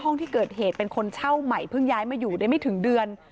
ห้องที่เกิดเหตุเป็นคนเช่าใหม่เพิ่งย้ายมาอยู่ได้ไม่ถึงเดือน